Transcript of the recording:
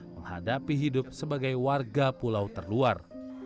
menghadapi hidup sebagai warga pulau terluar